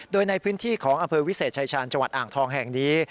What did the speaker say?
โดยในพื้นที่ของอำเภอวิเศษชายชาญจังหวัดอ่างทองแห่งนี้